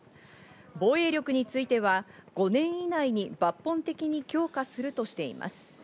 防衛力については５年以内に抜本的に強化するとしています。